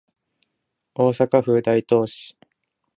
大阪府大東市